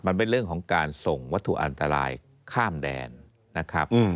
มันเป็นเรื่องของการส่งวัตถุอันตรายข้ามแดนนะครับ